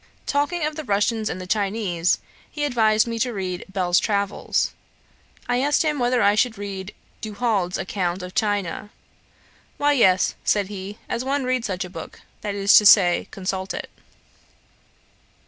Talking of the Russians and the Chinese, he advised me to read Bell's travels. I asked him whether I should read Du Halde's account of China. 'Why yes, (said he) as one reads such a book; that is to say, consult it.'